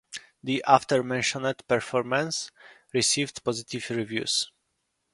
The aforementioned performance received positive reviews.